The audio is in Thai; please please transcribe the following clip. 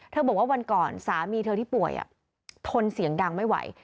บอกว่าวันก่อนสามีเธอที่ป่วยทนเสียงดังไม่ไหว